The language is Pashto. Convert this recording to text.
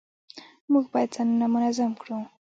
موږ باید ځانونه منظم کړو